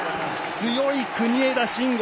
強い国枝慎吾！